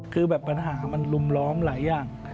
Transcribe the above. คือแบบปัญหามันลุมล้อมหลายอย่าง